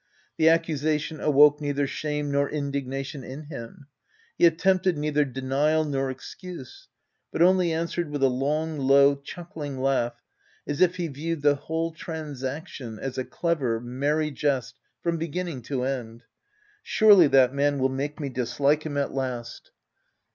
The accusation awoke neither shame nor indignation in him : he attempted neither denial nor excuse, but only answered with a long, low, chuckling laugh as if he viewed the whole transaction as a clever, merry jest from beginning to end. Surely that man will make me dislike him at last